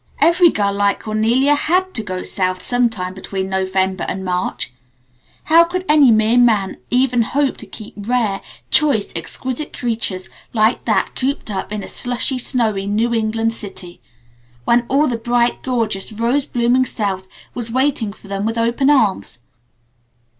"Every girl like Cornelia had to go South sometime between November and March. How could any mere man even hope to keep rare, choice, exquisite creatures like that cooped up in a slushy, snowy New England city when all the bright, gorgeous, rose blooming South was waiting for them with open arms?